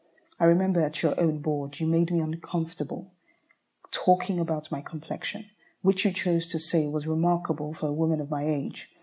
I remember at your own board you made me uncomfortable talking about my complexion, which you chose to say was "remarkable for a woman of my age."